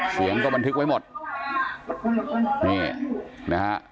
เสียงก็บันทึกไว้หมดนี่นะฮะ